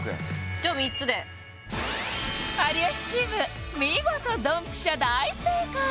じゃあ３つで有吉チーム見事ドンピシャ大正解！